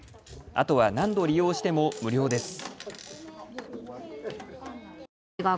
あとは何度を利用しても無料です。